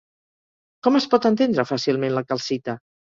Com es pot entendre fàcilment la calcita?